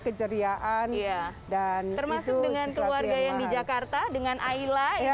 keceriaan dan termasuk dengan keluarga yang di jakarta dengan aila ya kemarin oh udah saya tadi